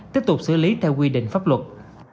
tiếp tục xử lý theo quy định pháp luật